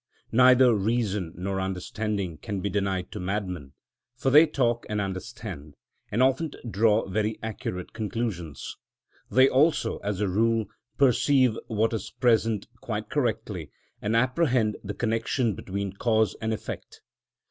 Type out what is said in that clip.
Neither reason nor understanding can be denied to madmen, for they talk and understand, and often draw very accurate conclusions; they also, as a rule, perceive what is present quite correctly, and apprehend the connection between cause and effect.